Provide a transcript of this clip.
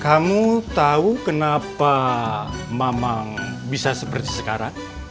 kamu tahu kenapa mama bisa seperti sekarang